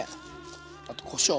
あとこしょう。